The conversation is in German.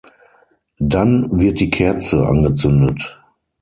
Dann wird die Kerze angezündet.